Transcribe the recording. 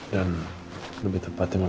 dan lebih tepatnya memaksa